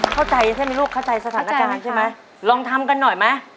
เข้าใจใช่ไหมลูกเข้าใจสถานการณ์ใช่ไหมลองทำกันหน่อยไหม